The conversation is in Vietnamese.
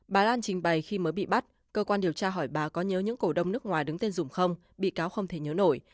bà lan trình bày khi mới bị bắt cơ quan điều tra hỏi bà có nhớ những cổ đông nước ngoài đứng tên dùng không bị cáo không thể nhớ nổi